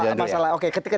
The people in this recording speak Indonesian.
iya dilanjutkan dulu ya